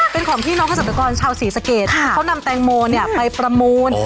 เป็นของพี่น้องเกษตรกรชาวศรีสะเกดเขานำแตงโมไปประมูล